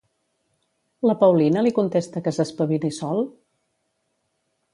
La Paulina li contesta que s'espavili sol?